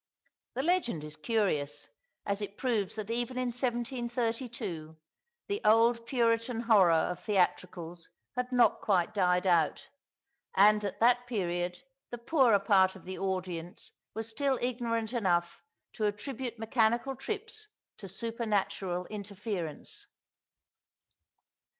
The legend is curious, as it proves that even in 1732 the old Puritan horror of theatricals had not quite died out, and that at that period the poorer part of the audience was still ignorant enough to attribute mechanical tricks to supernatural interference.